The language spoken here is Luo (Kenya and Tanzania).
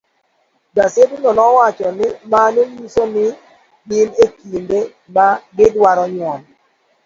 Gasedno nowacho ni mano nyiso ni gin e kinde ma gidwaro nyuol.